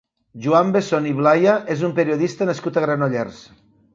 Joan Besson i Blaya és un periodista nascut a Granollers.